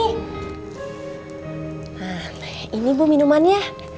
nah ini bu minumannya